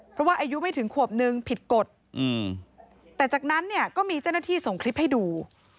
เพราะว่าอายุไม่ถึงขวบนึงผิดกฎแต่จากนั้นเนี่ยก็มีเจ้าหน้าที่ส่งคลิปให้ดู